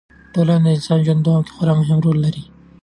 ټولنه د انسان د ژوند په دوام کې خورا مهم رول لري.